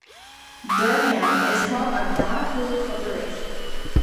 Durham is home of Donahue Corporation.